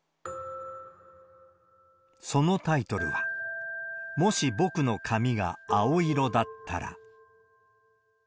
そのタイトルは、もし僕の髪が青色だったら。